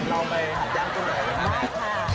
เราไปทานย่างกุ้งหน่อย